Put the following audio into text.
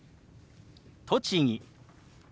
「栃木」。